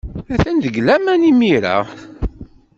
Atan deg laman imir-a.